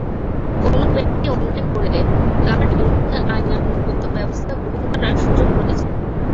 কোনো ব্যক্তি অন্যায় করলে তাঁর বিরুদ্ধে আইনানুগ ব্যবস্থা গ্রহণ করার সুযোগ রয়েছে।